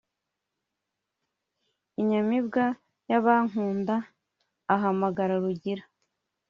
Inyamibwa y’abankunda ahamagara Rugira